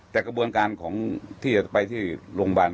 แต่กระบวนการของที่จะไปที่โรงพยาบาล